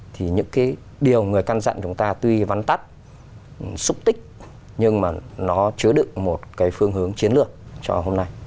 thì những cái điều người căn dặn chúng ta tuy vắn tắt xúc tích nhưng mà nó chứa đựng một cái phương hướng chiến lược cho hôm nay